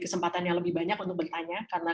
kesempatan yang lebih banyak untuk bertanya karena